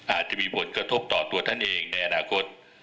อาจจะมีผลกระทบต่อตัวท่านเองในอนาคต